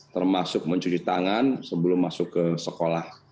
termasuk mencuci tangan sebelum masuk ke sekolah